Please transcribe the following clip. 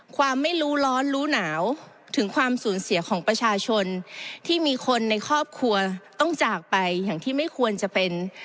ความไม่รู้ร้อนรู้หนาวถึงความสูญเสียของประชาชนที่มีคนในครอบครัวต้องจากไปอย่างที่ไม่ควรจะเป็น